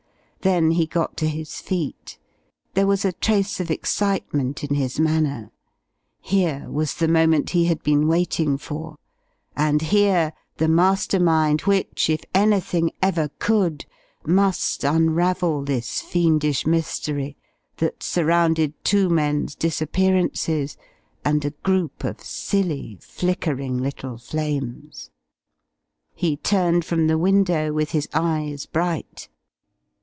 Then he got to his feet. There was a trace of excitement in his manner. Here was the moment he had been waiting for, and here the master mind which, if anything ever could, must unravel this fiendish mystery that surrounded two men's disappearances and a group of silly, flickering little flames. He turned from the window with his eyes bright.